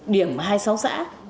điểm hai mươi sáu xã